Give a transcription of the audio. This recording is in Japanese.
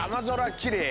きれい？